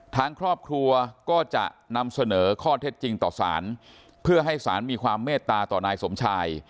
ทางครอบครัวก็จะนำเสนอข้อเท็จจริงต่อสารเพื่อให้สารมีความเมตตาต่อนายสมชาย